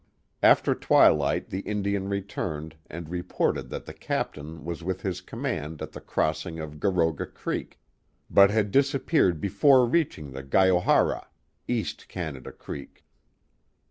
After twilight the Indian re turned and reported that the captain was with his command at the crossing of Garoga Creek, but had disappeared before reaching the Guyohara (East Canada Creek).